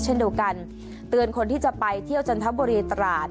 เช่นเดียวกันเตือนคนที่จะไปเที่ยวจันทบุรีตราด